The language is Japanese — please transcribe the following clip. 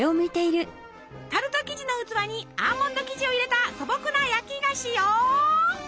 タルト生地の器にアーモンド生地を入れた素朴な焼き菓子よ！